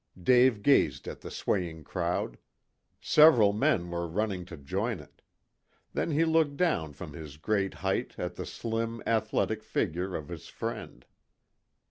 Dave gazed at the swaying crowd. Several men were running to join it. Then he looked down from his great height at the slim, athletic figure of his friend.